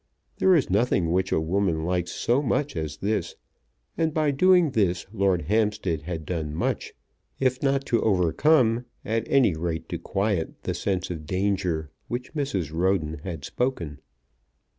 There is nothing which a woman likes so much as this, and by doing this Lord Hampstead had done much, if not to overcome, at any rate to quiet the sense of danger of which Mrs. Roden had spoken.